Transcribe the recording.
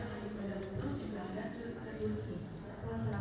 rangkongan itu ada di sana ya